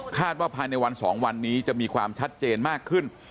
ว่าภายในวัน๒วันนี้จะมีความชัดเจนมากขึ้น